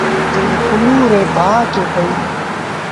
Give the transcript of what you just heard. جڏهيݩ پنهون ري ڀآن کي پئيٚ۔